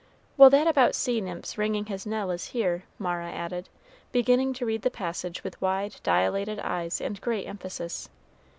"Well, that about sea nymphs ringing his knell is here," Mara added, beginning to read the passage with wide, dilated eyes and great emphasis.